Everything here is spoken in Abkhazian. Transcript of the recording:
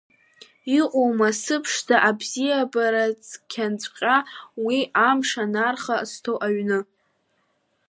Иҟоума, сыԥшӡа, абзиабара цқьаҵәҟьа, уи амш анарха азҭо аҩны?